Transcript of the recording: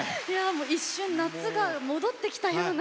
一瞬、夏が戻ってきたような。